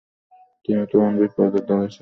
তিনি তরুণ-বিপ্লবী দলের সদস্য ছিলেন।